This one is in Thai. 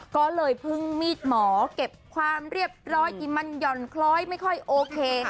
ก็เลยพึ่งมีดหมอเก็บความเรียบร้อยที่มันหย่อนคล้อยไม่ค่อยโอเค